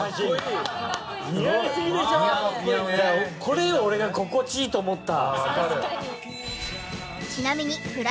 これだよ俺が心地いいと思った。